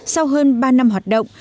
sau hơn ba năm hoạt động